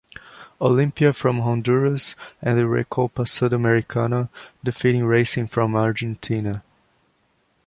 Olimpia from Honduras, and the Recopa Sudamericana, defeating Racing from Argentina.